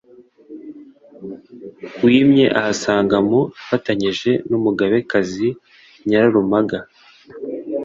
wimye ahasaga mu, afatanyije n'Umugabekazi Nyirarumaga,